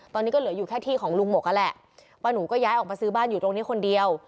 ตอนนี้ก็เหลืออยู่แค่ที่ของลุงหมกนั่นแหละป้าหนูก็ย้ายออกมาซื้อบ้านอยู่ตรงนี้คนเดียว